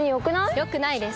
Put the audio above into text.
よくないです。